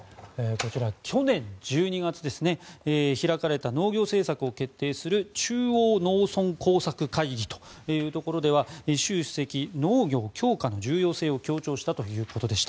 去年１２月開かれた農業政策を決定する中央農村工作会議では習主席、農業強化の重要性を強調したということです。